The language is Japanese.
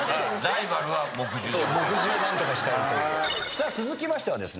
さあ続きましてはですね